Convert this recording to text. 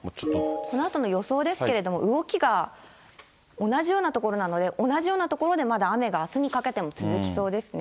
このあとの予想ですけれども、動きが同じような所なので、同じような所でまだ雨があすにかけても続きそうですね。